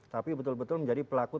tapi betul betul menjadi pelaku